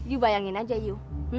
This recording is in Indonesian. iu bayangin aja iu